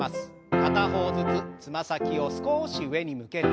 片方ずつつま先を少し上に向けて。